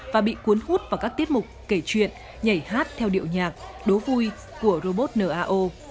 và bị cuốn hút vào các tiết mục kể chuyện nhảy hát theo điệu nhạc đố vui của robot nao